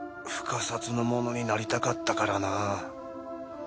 殺の者になりたかったからなあ。